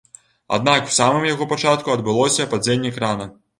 Аднак у самым яго пачатку, адбылося падзенне крана.